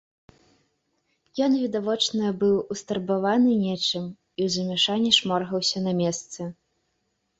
Ён відочна быў устурбаваны нечым і ў замяшанні шморгаўся на месцы.